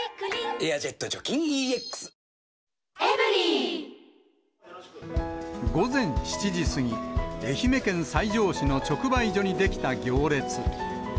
「エアジェット除菌ＥＸ」午前７時過ぎ、愛媛県西条市の直売所に出来た行列。